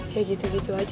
ya gitu gitu aja sih pi